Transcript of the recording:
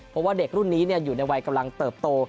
เพราะว่าเด็กรุ่นนี้อยู่ในวัยกำลังเติบโต